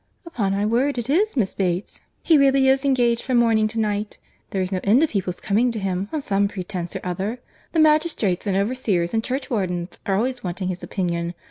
"Upon my word it is, Miss Bates.—He really is engaged from morning to night.—There is no end of people's coming to him, on some pretence or other.—The magistrates, and overseers, and churchwardens, are always wanting his opinion.